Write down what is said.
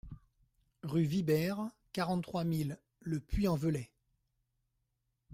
Rue Vibert, quarante-trois mille Le Puy-en-Velay